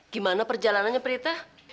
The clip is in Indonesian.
gimana perjalanannya prita